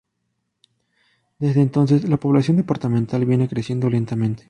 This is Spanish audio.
Desde entonces, la población departamental viene creciendo lentamente.